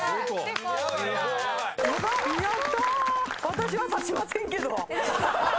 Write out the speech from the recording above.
私は差しませんけど。